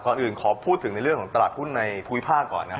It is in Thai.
อื่นขอพูดถึงในเรื่องของตลาดหุ้นในภูมิภาคก่อนนะครับ